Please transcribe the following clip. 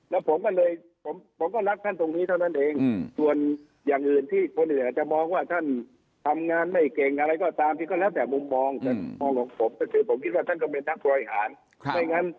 และผมก็เลยผมก็รักท่านตรงนี้เท่านั้นเอง